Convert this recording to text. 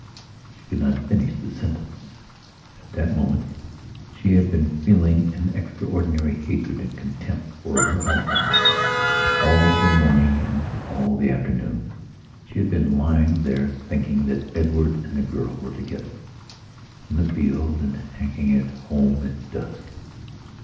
She could not finish the sentence. At that moment she had been feeling an extraordinary hatred and contempt for her husband. All the morning and all the afternoon she had been lying there thinking that Edward and the girl were togetherin the field and hacking it home at dusk.